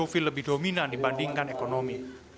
muslim ketika mencuat bersama maafkan ekonomi